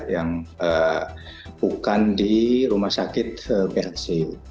yang bukan di rumah sakit blc